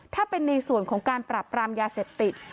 ถ้าเป็นในส่วนของการปรับปรามยาเสพติด